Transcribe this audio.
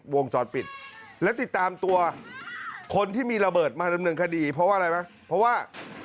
วงจอดปิดและติดตามตัวคนที่มีระเบิดมาดำเนินคดีเพราะว่าอะไรไหมเพราะว่า